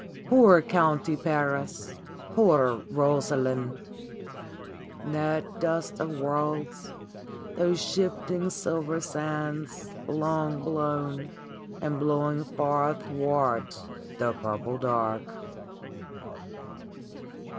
Poor County Paris! Poor Rosaline!" That dust of worlds, those shifting, silver sands long blown and blowing far athwart the purple dark